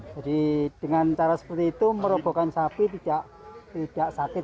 jadi dengan cara seperti itu merobohkan sapi tidak sakit